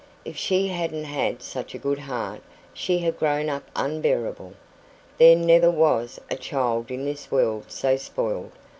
If she hadn't had such a good heart, she'd have grown up unbearable. There never was a child in this world so spoiled.